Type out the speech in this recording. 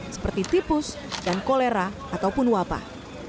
seperti tipus dan kolera ataupun wabah